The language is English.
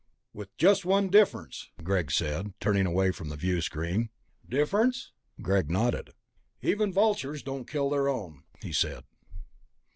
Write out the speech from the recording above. "With just one difference," Greg said, turning away from the viewscreen. "Difference?" Greg nodded. "Even vultures don't kill their own," he said.